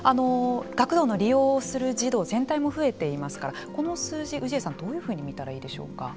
学童の利用する児童全体も増えていますからこの数字、氏家さんどういうふうに見たらいいでしょうか。